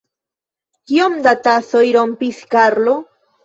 Kiom da tasoj rompis Karlo?